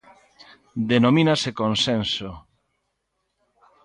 Denomínase Consenso.